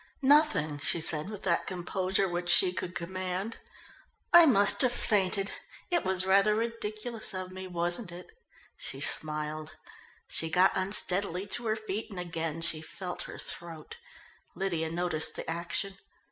"Nothing," she said with that composure which she could command. "I must have fainted. It was rather ridiculous of me, wasn't it?" she smiled. She got unsteadily to her feet and again she felt her throat. Lydia noticed the action.